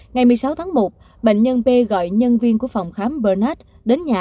ngày một mươi sáu tháng một bệnh nhân p gọi nhân viên của phòng khám bernat đến nhà